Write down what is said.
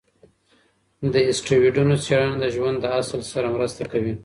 د اسټروېډونو څېړنه د ژوند د اصل سره مرسته کوي.